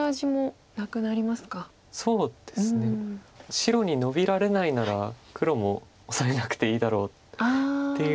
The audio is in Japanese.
白にノビられないなら黒もオサえなくていいだろうっていう。